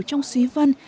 trong suy vân